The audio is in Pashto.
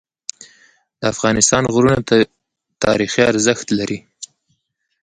د افغانستان غرونه تاریخي ارزښت لري.